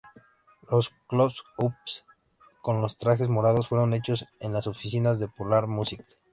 Los close-ups con los trajes morados fueron hechos en las oficinas de Polar Music.